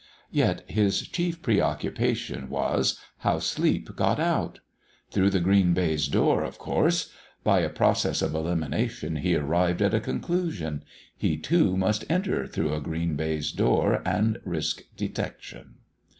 Yet his chief preoccupation was, how Sleep got out. Through the green baize doors, of course! By a process of elimination he arrived at a conclusion: he, too, must enter through a green baize door and risk detection.